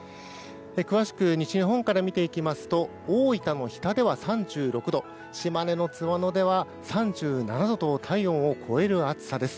詳しく西日本から見ていきますと大分の日田では３６度島根の津和野では３７度と体温を超える暑さです。